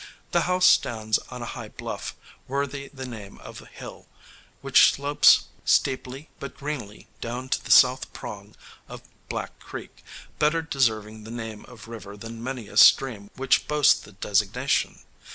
The house stands on a high bluff, worthy the name of hill, which slopes steeply but greenly down to the South Prong of Black Creek, better deserving the name of river than many a stream which boasts the designation.